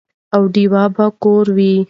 او ډېوه به کور وه،